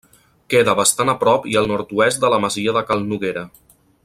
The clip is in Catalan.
Queda bastant a prop i al nord-oest de la masia de Cal Noguera.